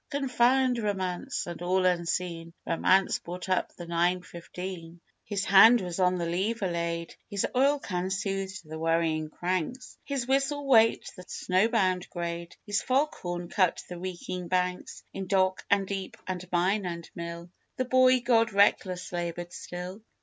Confound Romance!"... And all unseen Romance brought up the nine fifteen. His hand was on the lever laid, His oil can soothed the worrying cranks, His whistle waked the snowbound grade, His fog horn cut the reeking Banks; In dock and deep and mine and mill The Boy god reckless laboured still.